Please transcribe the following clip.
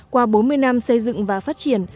qua bốn mươi năm xây dựng và phát triển